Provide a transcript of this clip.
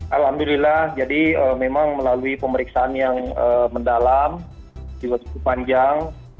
alhamdulillah jadi memang melalui pemeriksaan yang mendalam juga cukup panjang